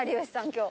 今日。